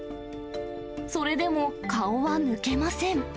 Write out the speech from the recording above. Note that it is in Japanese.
それでも顔は抜けません。